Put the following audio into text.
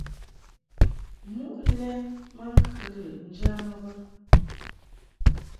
Muʼ lɛ ma ŋkɨ lɨʼ njamɨ bə.